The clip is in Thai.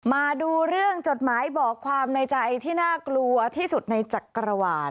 มาดูเรื่องจดหมายบอกความในใจที่น่ากลัวที่สุดในจักรวาล